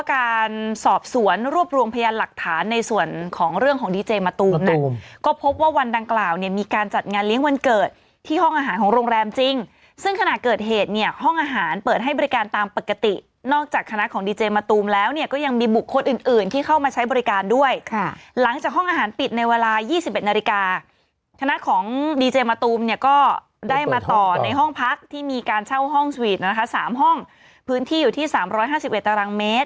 การสอบสวนรวบรวมพยานหลักฐานในส่วนของเรื่องของดีเจมะตูมก็พบว่าวันดังกล่าวเนี่ยมีการจัดงานเลี้ยงวันเกิดที่ห้องอาหารของโรงแรมจริงซึ่งขณะเกิดเหตุเนี่ยห้องอาหารเปิดให้บริการตามปกตินอกจากคณะของดีเจมะตูมแล้วเนี่ยก็ยังมีบุคคลอื่นที่เข้ามาใช้บริการด้วยค่ะหลังจากห้องอาหาร